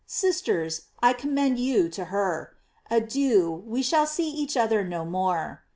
Sisters, I com mend you to her. Adieu, we shall see each oth er no more."